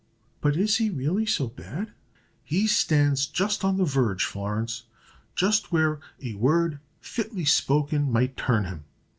"But is he really so bad?" "He stands just on the verge, Florence; just where a word fitly spoken might turn him.